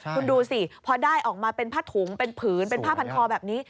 คุณดูสิพอได้ออกมาเป็นผ้าถุงเป็นผืนเป็นผ้าพันคอแบบนี้